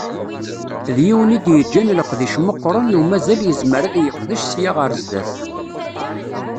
D yiwen i d-yeǧǧan leqdic meqqren u mazal yezmer ad yeqdec sya ar sdat.